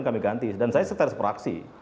kami ganti dan saya setelah fraksi